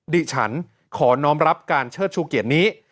ดิฉันขอน้องรับการเชิดชูเกียรตินี้